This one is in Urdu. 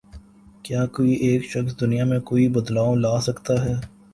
کیا کوئی ایک شخص دنیا میں کوئی بدلاؤ لا سکتا ہے؟